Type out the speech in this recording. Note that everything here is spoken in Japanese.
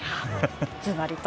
ずばりと。